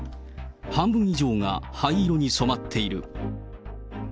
半分以上が灰色に染まっている。